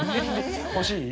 欲しい？